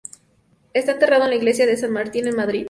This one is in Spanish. Está enterrado en la Iglesia de San Martín en Madrid.